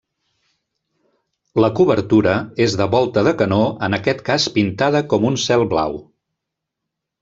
La cobertura és de volta de canó en aquest cas pintada com un cel blau.